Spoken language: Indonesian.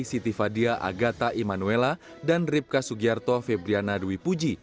siti fadia agata immanuela dan ripka sugiarto febriana dwi puji